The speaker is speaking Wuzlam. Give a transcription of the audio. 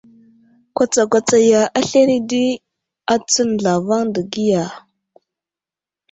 Kwatsakwatsaya aslane di atsən zlavaŋ degiya.